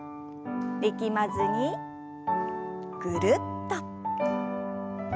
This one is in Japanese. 力まずにぐるっと。